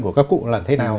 của các cụ là thế nào